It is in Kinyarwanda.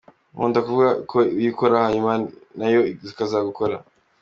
Nkunda kuvuga ko uyikora, hanyuma nayo ikazagukora.